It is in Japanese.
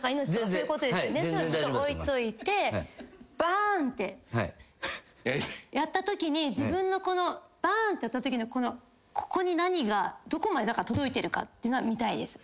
ちょっと置いといてバーンってやったときに自分のバーンってやったときのここに何がどこまで届いてるかっていうのは見たいです。